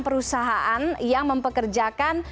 perusahaan yang mempekerjakan